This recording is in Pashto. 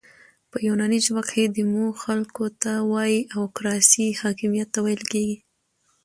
په یوناني ژبه کښي ديمو خلکو ته وایي او کراسي حاکمیت ته ویل کیږي.